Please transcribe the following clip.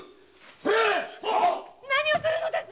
それッ！何をするのです！